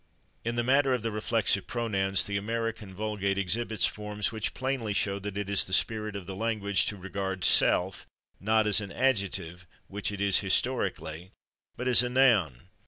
In the matter of the reflexive pronouns the American vulgate exhibits forms which plainly show that it is the spirit of the language to regard /self/, not as an adjective, which it is historically, but as a noun.